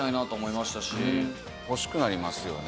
欲しくなりますよね。